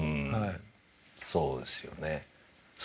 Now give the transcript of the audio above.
そうですよね。